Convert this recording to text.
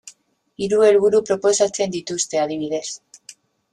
Hiru helburu proposatzen dituzte, adibidez.